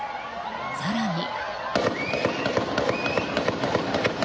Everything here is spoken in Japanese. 更に。